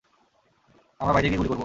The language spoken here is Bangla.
আমরা বাইরে গিয়ে গুলি করবো?